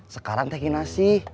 sekarang teh kinasi